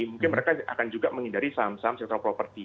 mungkin mereka akan juga menghindari saham saham sektor property